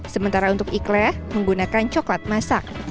sementara untuk ikhlaq menggunakan coklat masak